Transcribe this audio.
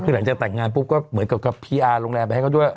คือหลังจากแต่งงานปุ๊บก็เหมือนกับกับพีอาร์โรงแรมไปให้เขาด้วย